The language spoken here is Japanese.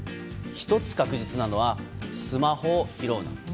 １つ確実なのは、スマホを拾うな。